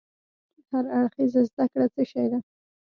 هر اړخيزه زده کړه څه شی ده؟